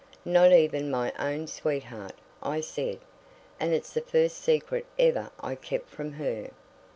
"Not even my own sweetheart," I said. "And it's the first secret ever I kept from her."